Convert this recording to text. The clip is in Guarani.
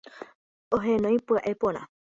Oheñói pya'e porã.